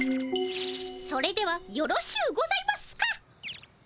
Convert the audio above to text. それではよろしゅうございますか？